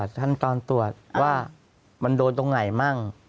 ขั้นตอนตรวจว่ามันโดนตรงไหนมั่ง